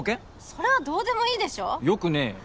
それはどうでもいいでしょよくねえよ